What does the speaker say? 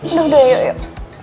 udah udah yuk yuk